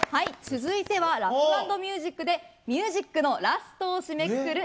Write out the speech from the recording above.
続いてはラフ＆ミュージックでミュージックのラストを締めくくる